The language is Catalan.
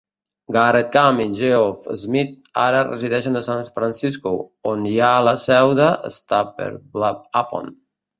Garrett Camp i Geoff Smith ara resideixen a San Francisco, on hi ha la seu de StumbleUpon.